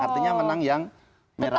artinya menang yang merah